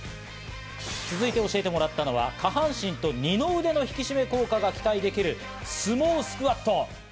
続いて教えてもらったのは、下半身と二の腕の引き締め効果が期待できるＳＵＭＯスクワット。